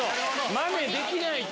マネできない！と。